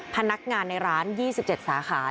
พนักงานในร้าน๒๗สาขา